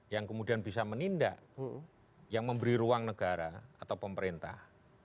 yang kemudian bisa menindak yang memberi ruang negara atau pemerintah